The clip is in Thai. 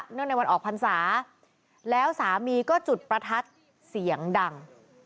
ในวันออกพรรษาแล้วสามีก็จุดประทัดเสียงดัง